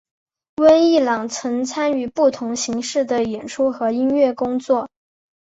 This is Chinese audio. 温逸朗曾参与不同形式的演出和音乐工作。